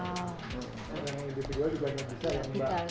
yang ini juga bisa ya mbak